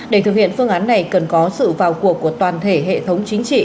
để thực hiện phương án này cần có sự vào cuộc của toàn thể hệ thống chính trị